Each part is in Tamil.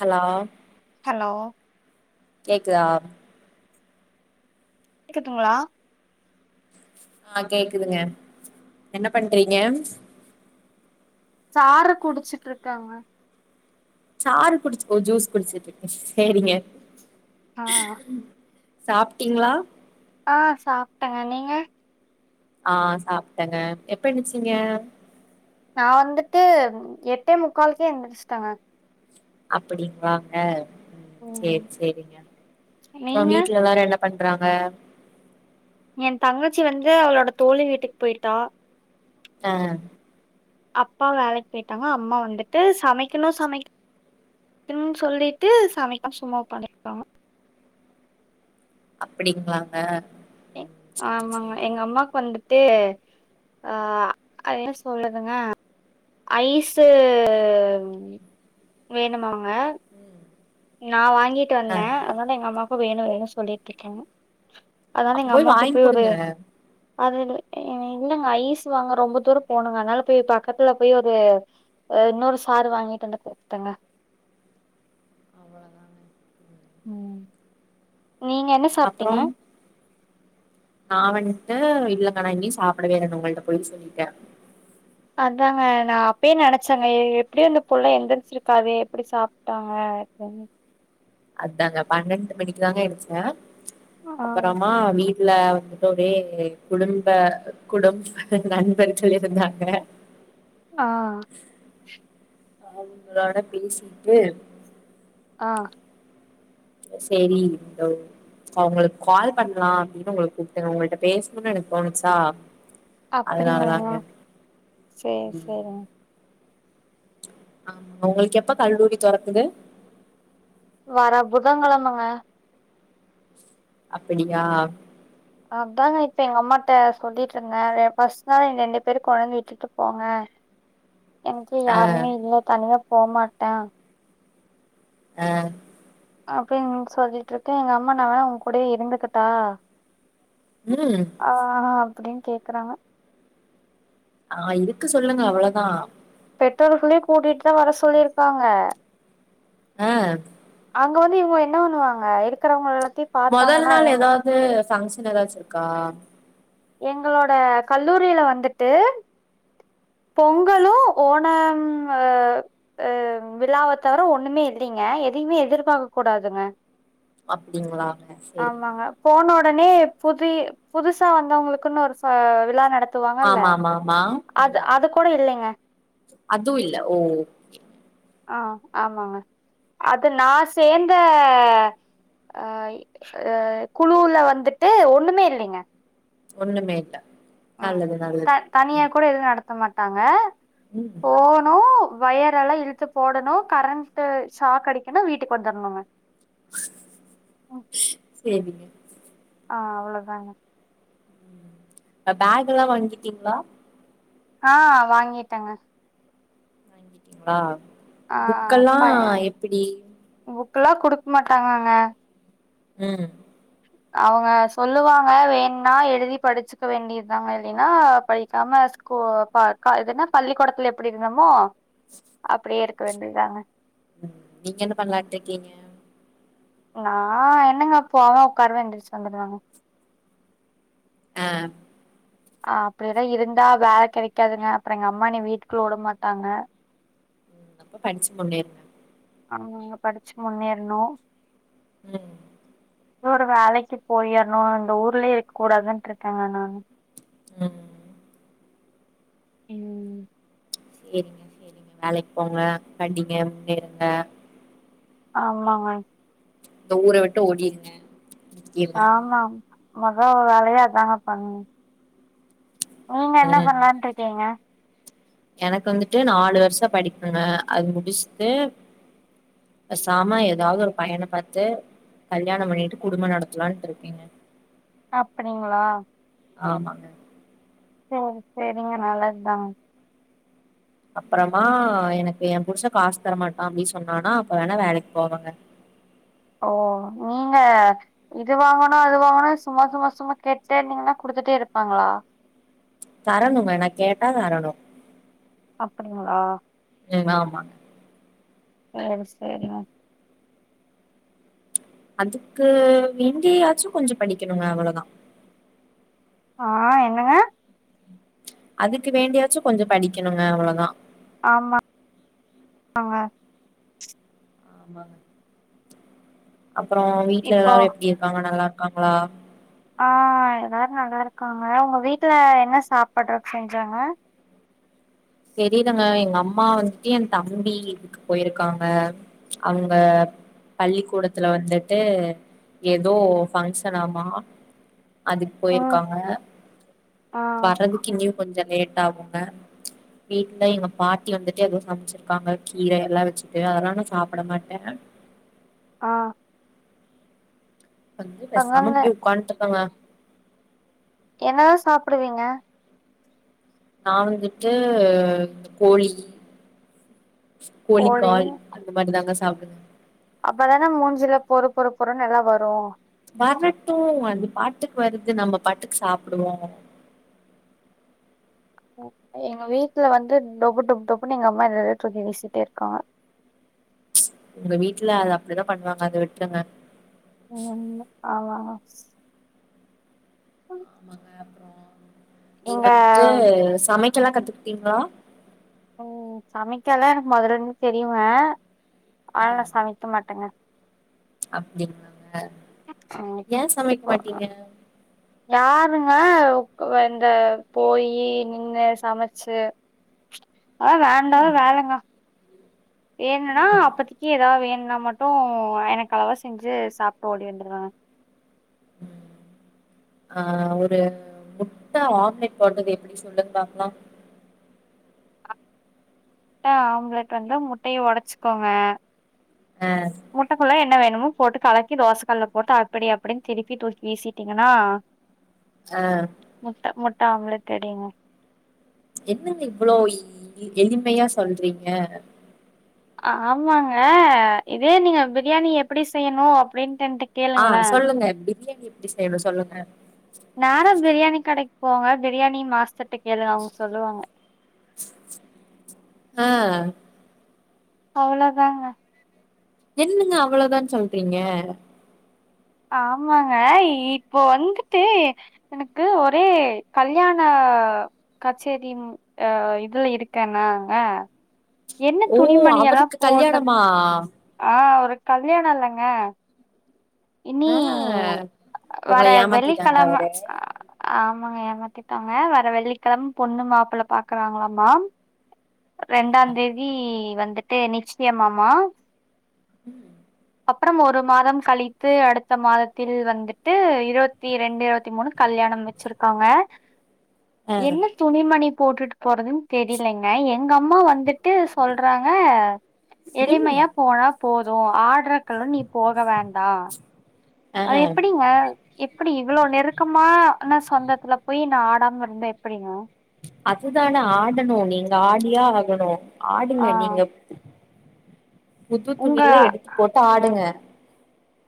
ஹலோ ஹலோ கேக்குதா கேக்குதுங்களா ஆ கேக்குதுங்க என்ன பண்றீங்க சாறு குடிச்சிட்டு இருக்கேங்க சாறு குடிச்சு ஓ ஜூஸ் குடிச்சுட்டு இருக்க சேரிங்க ஆ சாப்ட்டீங்களா ஆ சாப்ட்டங்க நீங்க ஆ சாப்ட்டங்க எப்ப எந்துச்சீங்க நா வந்துட்டு எட்டே முக்காலுக்கே எந்துருச்ட்டேங்க அப்டிங்களாங்க ம் செரி செரிங்க அப்றோ நீங்க வீட்ல எல்லாரு என்ன பண்றாங்க என் தங்கச்சி வந்து அவளோட தோழி வீட்டுக் போய்ட்டா ஆ அப்பா வேலைக்கு போய்ட்டாங்க அம்மா வந்துட்டு சமைக்கணு சமைக் கனு சொல்லிட்டு சமைக்காம சும்மா உக்காந்துருகாங்க அப்டிங்களாங்க ம் சேரி ஆமாங்க சேரி எங்க அம்மாக்கு வந்துட்டு அ என்ன சொல்லுதுங்க ஐஸு வேணுமாங்க நா வாங்கிட்டு ஆ வந்தே அதனால எங்க அம்மாவுக்கு வேணு வேணு சொல்லிட்டு இருக்கங்க அதனால அப்ப எங்க அம்மாவுக்கு வாங்கி போய் ஒரு குடுங்க அது இல்ல எங்க இல்லங்க ஐஸ் வாங்க ரொம்ப தூர போனுங்க அதனால போய் பக்கத்துல போய் ஒரு ஆ இன்னொரு சாரு வாங்கிட்டு வந்து குடுத்துட்டாங்க அவ்ளோதாங்க ம் நீங்க என்ன அப்றோ சாப்ட்டீங்க நா வன்ட்டு இல்லங்க நா இன்னியு சாப்டவே இல்ல நா உங்கள்ட்ட போய் சொல்லிட்டே அதாங்க நா அப்பயே நெனச்சங்க எ எப்டியு இந்த புள்ள எந்திருச்சிருக்காதே எப்டி சாப்ட்டாங்க தண்ணி அதாங்க பன்னெண்டு மணிக்கு தாங்க எந்திச்சே ஆ அப்பறமா வீ ட்டுல வந்துட்டு ஒரே குடும்ப குடும் நண்பர்கள் இருந்தாங்க ஆ அவுங்களோட பேசிட்டு ஆ சேரி இந்த ஒ அவுங்களுக்கு கால் பண்ணலா அப்டின்னு உங்களுக்கு கூப்ட்டங்க உங்களிட்ட பேசணுனு எனக்கு தோணுச்சா அப்டிங்களா அதனாலதாங்க செர் செரிங்க ஆமா உங்களுக்கு எப்ப கல்லூரி தொறக்குது வர புதங்கெழமங்க அப்படியா அதாங்கா இப்ப எங்க அம்மாட்ட சொல்ட்டு இருந்தே வெ ஃபர்ஸ்ட் நாளே ரெண்டு பேரு கொண்டாந்து விட்டுட்டு போங்க [inaudible] எனக்கு யாருமே இல்ல தனியா போமாட்ட அ அப்டின்னு சொல்லிட்டு இருக்க எங்க அம்மா நா வேணா உ கூடயே இருந்துகட்டா ம் ஆ ஆ அப்டின்னு கேக்குறாங்க ஆ இருக்க சொல்லுங்க அவ்வளதா பெற்றோர்களே கூட்டிட்டு தா வர சொல்லிருக்காங்க அ அங்க வந்து இவங்க என்ன பண்ணுவாங்க இருக்கிறவங்க எல்லாத்தையு மொதல் பாத்தாங்கன்னா நாள் எங் ஏதாது ஃபங்க்ஷன் ஏதாச்சு இருக்கா எங்களோட கல்லூரியில வந்துட்டு பொங்கலு ஓனம் அ அ விழாவ தவிர ஒண்ணுமே இல்லிங்க எதையுமே எதிர்பாக்க கூடாதுங்க அப்டிங்ளாங்க சரி ஆமாங்க போன உடனே புது புதுசா வந்தவங்களுக்குன்னு ஒரு ச விழா நடத்த துவாங்கல்ல ஆமா ஆமா ஆமா அது அது கூட இல்லைங்க அது இல்ல ஓ ஆ ஆமாங்க அது நா சேந்த அ அ குழுல வந்துட்டு ஒண்ணுமே இல்லிங்க ஒண்ணுமே இல்ல ம் நல்லது நல்லது த தனியா கூட எதுவு நடத்த மாட்டாங்க ம் வயர் எல்லா இழுத்து போடணு கரண்ட்டு ஷாக் அடிக்கணு வீட்டுக்கு வந்துரணுங்க சேரிங்க ஆ அவ்ளதாங்க இந்த பேக் எல்லா வாங்கிட்டீங்ளா ஆ வாங்கிட்டங்க இருக்கீங்ளா ஆ பைய புக்குல்லா குடுக்க மாட்டாங்கங்க ம் அவங்க சொல்லுவாங்க வேன்ணா எழுதி படிச்சிக்க வேண்டிய தா இல்லின்னா படிக்காம ஸ்கூ கோ பா கா இது என்ன பள்ளிக்கூடத்துல எப்படி இருந்தமோ அப்படியே இருக்க வேண்டியதாங்க ம் நீங்க என்ன பண்லான்ட்டு இருக்கீங்க நா என்னங்க போவ உக்காருவ எந்திருச்சி வந்துருவங்க அ அ அப்டி எதா இருந்தா வேல கெடைக்காதுங்க அப்றோ எங்க அம்மா என்னிய வீட்டுக்குள்ள உட மாட்டாங்க இப்ப படிச்சி முன்னேருன ஆமாங்க படிச்சி முன்னேறணு ம் ஒரு வலைக்கி போயிர்ணு இந்த ஊர்லே இருக்க கூடாதுன்ட்டு இருக்கங்க நானு ம் ம் சேரிங்க சேரிங்க வேலைக்கு போங்க படிங்க முன்னேறுங்க ஆமாங்க இந்த ஊர விட்டு ஓடிருங்க முக்கியமா ஆமா மொத வேலையா அதாங்க பண்ணணு நீங்க என்ன ம் பண்லான்ட்ருக்கீங்க எனக்கு வந்துட்டு நாலு வர்ஷ படிப்புங்க அது முடிச்ட்டு பேசாம ஏதாவ்து ஒரு பையன பாத்து கல்யாணம் பண்ணிட்டு குடும்ப நடத்லான்ட்ருக்கேங்க அப்படிங்களா ஆமாங்க செரி செரிங்க நல்லத்தாங் அப்றமா எனக்கு என் புருஷன் காஸ் தரமாட்டா அப்டி சொன்னானா அப்ப வேணா வேலைக்கு போவங்க ஓ நீங்க இது வாங்கணு அது வாங்கணு சும்மா சும்மா சும்மா கேட்டே இருந்தீகன்னா குடுத்துட்டே இருப்பாங்களா தரணுங்க நா கேட்டா தரணு அப்படிங்ளா எநாமாங்க ஏரி செரிங்க அன்த்துக்கு வேண்டியாச்சு கொஞ்சு படிக்கணுங்க அவ்வளதா ஆ என்னங்க அதுக்கு வேண்டியாச்சு கொஞ்சோ படிக்கணுங்க அவ்ளதா ஆமா ஆங்க ஆமாங்க அப்றோ வீட்ல இப்போ எல்லாரு எப்டி இருக்காங்க நல்லார்க்காங்ளா ஆ எல்லாரு நல்லார்க்காங்க உங்க வீட்ல என்ன சாப்புட்ற ஃப்ரெண்ஸாங்க தெரிலங்க எங்க அம்மா வந்த்ட்டின் என் தம்பி எதுக்கு போய்ருக்காங்க அங்கப் பள்ளிக்கூடத்துல வந்துட்டு ஏதோ ஃங்க்ஷனாமா அதுக் ம் போய்ருக்காங்க ஆ வர்றதுக்கு இங்யு கொஞ்ச லேட் ஆகுங்க வீட்ல எங்க பாட்டி வந்துட்டு எதோ சம்ச்சிர்க்காங்க கீர எல்லா வெச்சுட்டு அதனால சாப்ட மாட்டே ஆ வந்து பேசாம அங்கங்க இப்ட்யே உக்காந்துட்ருக்கங்க என்னதா சாப்டுவீங்க நா வந்துட்டு கோழி போளி கோழிக்கால் அந்த மாதி தாங்க சாப்டுது அப்பதானே மூஞ்சில பொறு பொறு பொறன் எல்லா வரு வரட்டு அந்து பாட்டுக் வருது நம்ம பாட்டுக் சாப்புடுவோ எ எங்க வீட்ல வந்து டபு டப் தொப்புன்னு எங்க அம்மா ரெரட்ருக்கி வீசிட்டே இருக்காங்க உங்க வீட்ல அத அப்டிதா பண்ணுவாங்க அத விட்ருங்க நீங் ஒன்னு ஆமா அஹா உளி ஆமாங்க அப்றோ நீங் வந்ட்டு சமைக்கல்லா கத்துக்குட்டீங்ளா ம் சமைக்கலா எனக் மொதருந்து தெரிவே ஆன சமைக்க மாட்டங்க அப்டிங்லாங்க ம் ஏ சமைக் இப்போ மாட்டீங்க யாருங்க உக் வந்த போயி நின்னு சமச்சு அ வேண்டா ம் வேலங்க ஏணுனா ம் அப்பத்திக்கி ஏதா வேண்னா மட்டு எனக்கு அளவா செஞ்சு சாப்ட்டு ஓடி வந்துருவங்க ம் ஆ ஒரு முட்ட ஆம்லெட் போட்றது எப்டி சொல்லுங்க பாக்லா முட்ட ஆம்லெட் வந்து முட்டைய உடைச்சிக்கோங்க ஆ முட்டைக்குள்ள என்ன வேணுமோ போட்டு கலக்கி தோசக்கல்ல போட்டு அப்டி அப்டின்னு திருப்பி தூக்கி வீசிட்டிங்கன்னா ஆ முட்ட முட்ட ஆம்லெட் ரெடிங்க என்னங்க இவ்ளோ இ எளிமையா சொல்றீங்க அ ஆமாங்க இதே நீங்க பிரியாணி எப்டி செய்ணு அப்டின்ட்டு என்ட்ட ஆ கேளுங்களே சொல்லுங்க பிரியாணி எப்டி செய்ணு சொல்லுங்க நரா பிரியாணி கடைக்கு போங்க பிரியாணி மாஸ்டர்ட்ட கேளுங்க அவுங்க சொல்லுவாங்க ஆ அவ்ளதாங்க என்னங்க அவ்ளதான் சொல்றீங்க ஆமாங்க இப்போ வந்துட்டு எனக்கு ஒரே கல்யாண கச்சேரியுமா ஆ இதுல இருக்கேனாங்க என்ன ஓ துணிமணியெல்லாம் அவதுக்கு போடுறது கல்யாணமா ஆ ஒரு கல்யாணோ இல்லங்க இனி ஆ உங்கள வர வெள்ளி ஏமாத்திட்டாங்க கெழம அவரு ஆ ஆமாங்க ஏமாத்திட்டாங்க வர வெள்ளி கெழம பொண்ணு மாப்ள பாக்குறாங்ளாமா ரெண்டாந்தேதி வந்துட்டு நிச்சியமாமா உம் அப்றம் ஒரு மாதம் கழித்து அடுத்த மாதத்தில் வந்துட்டு இருவத்தி ரெண்டு இருவத்தி மூணு கல்யாணம் வச்சிருக்காங்க [inaudible] என்ன துணிமணி போட்டுட் போறதுன் தெரிலங்க எங்க அம்மா வந்துட் டு சொல்றாங்க ம் எளிமையா போனா போது ஆட்றக்கெல்லா நீ போக வேண்டா ஆ அது எப்டிங்க எப்டி இவ்ளோ நெருக்கமான சொந்தத்துல போய் நா ஆடாம இருந்தா எப்டி ங்க அதுதான ஆடணு நீங்க ஆடியே ஆகணு ஆடுங்க ஆ நீங்க புது உங்க துணிலா எடுத்து போட்டு ஆடுங்க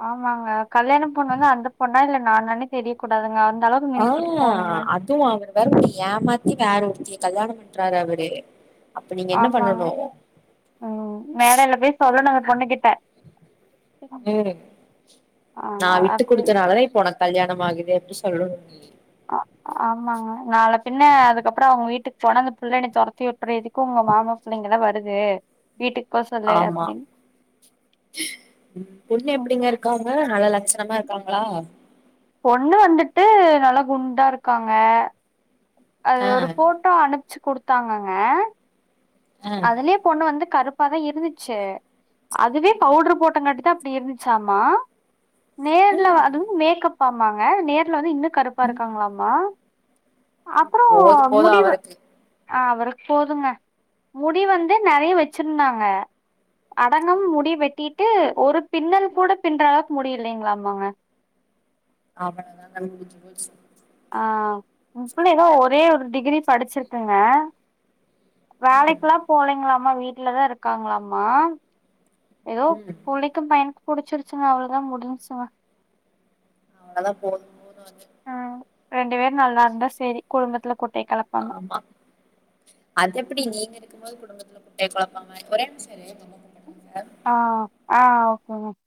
ஆமாங்க கல்யாண பொண்ணுனா அந்த பொண்ணா இல்ல நானானு தெரிய கூடாதுங்க அந்த அளவுக்கு ஆ மினிக்கிட்டு போணுங்க அதுவு அவரு வேற ஏமாத்தி வேற ஒருத்தி கல்யாண பண்றாரு அவரு அப்ப நீங்க என்ன ஆமாங்க பண்ணணு ஆ மேடைல போய் சொல்லணு அந்த பொண்ணு கிட்ட ம் நா விட்டு அது குடுத்தனாலதா இப்ப ஒனக் கல்யாணம் ஆகுது அப்டி சொல்லணு ஆ ஆமாங்க நாள பின்ன அதுக்கப்றோ அவங்க வீட்டுக்கு போனா அந்த புள்ள என்ன துரத்தி வுட்ரு எதுக்கு உங்க மாமா புள்ள இங்கலா வருது வீட்டுக் போ சொல்லு ஆமா அப்டின்னு பொண்ணு ம் எப்டிங்கருக் இருக்காங்க நல்ல லட்சணமா இருக்காங்ளா பொண்ணு வந்துட்டு நல்லா குண்டா இருக்காங்க அது ஆ ஒரு ஃபோட்டோ அனுப்பிச்சு குடுத்தாங்கங்க ஆ அதுலே பொண்ணு வந்து கருப்பாதா இருந்துச்சு அதுவே பவுட்ரு போட்டங்காட்டி தா ப்டி இருந்துச்சாமா நேர்ல வ அதுவு மேக்ப் பாமாங்க நேர்ல வந்து இன்னு கருப்பா இருக்காங்களாமா அப்புறோ போதும் போது முடிவு அவருக்கு ஆ அவருக் போதுங்க முடி வந்து நறைய வெச்சிருந்தாங்க அடங்கம் முடி வெட்டிட்டு ஒரு பின்னல்கூட பின்றளவுக்கு முடியிலைங்ளாமாங்க அவ்வளதாங்க அது முடிஞ்சுபோச் ஆ அந்த புள்ள எதோ ஒரே ஒரு டிகிரி படிச்சிருக்குங்க ம் வேலைக்குல்லா போலைங்ளாமா வீட்லதா இருக்காங்ளாமா எதோ ம் புள்ளைக்கு பயனுக்கு புடிச்சிருச்சுங்க அவ்ளோதாங் முடிஞ்சுங்க அவ்ளதா போது ம் ரெண்டு பேரு நல்லாருந்தா சேரி குடும்பத்துல கொட் ஆமா அது எப்படி ம் நீங்க இருக் கும்போது குடும்பத்துல குட்டைய கொழப்பா ஒரே நிம்ஷோ இரு எங்க அம்மா கூப்பட்றாங்க ஆ ஆ ஓகேங்க